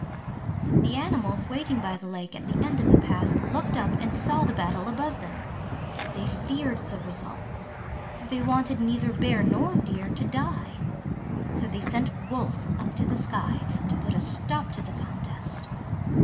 The animals waiting by the lake at the end of the path looked up and saw the battle above them. They feared the results, for they wanted neither Bear nor Deer to die. So they sent Wolf up to the sky to put a stop to the contest.